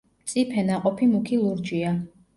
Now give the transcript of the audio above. მწიფე ნაყოფი მუქი ლურჯია.